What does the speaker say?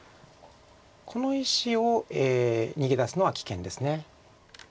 この１子を逃げ出すのは危険です。